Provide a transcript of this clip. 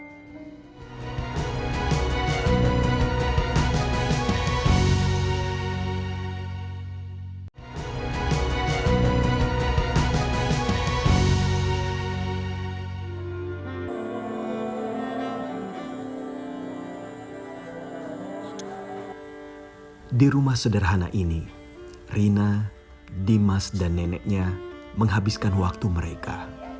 hai di rumah sederhana ini rina dimas dan neneknya menghabiskan waktu mereka